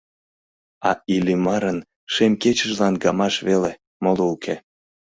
А Иллимарын шем кечыжлан гамаш веле, моло уке.